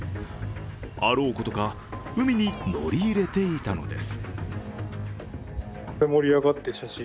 あろうことか海に乗り入れていたのです。